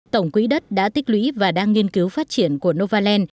tổng quỹ đất đã tích lũy và đang nghiên cứu phát triển của novaland